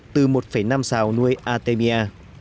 từ một năm xào nuôi artemia